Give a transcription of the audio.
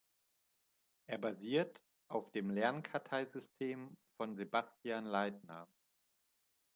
Er basiert auf dem Lernkartei-System von Sebastian Leitner.